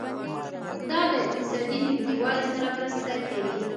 دا د اقتصادي نږدیوالي سره مرسته کوي.